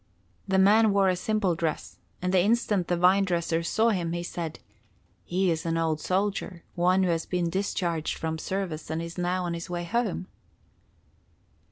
The man wore a simple dress, and the instant the vine dresser saw him, he said: "He is an old soldier, one who has been discharged from service and is now on his way home."